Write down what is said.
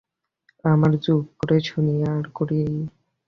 আমরা চুপ করে শুনি আর করি।